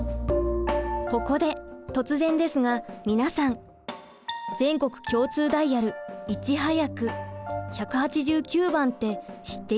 ここで突然ですが皆さん全国共通ダイヤル「いちはやく」「１８９番」って知っていますか？